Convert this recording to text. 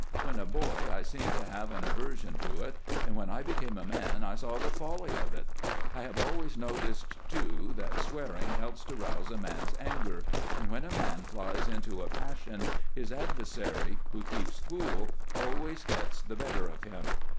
" When a boy I seemed to have an aversion to it, and when I became a man I saw the folly of it. I have always noticed, too, that swearing helps to rouse a man's anger ; and when a man flies into a pas sion his adversary who keeps cool always gets the better of him.